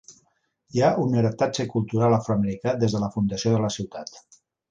Hi ha un heretatge cultural afroamericà des de la fundació de la ciutat.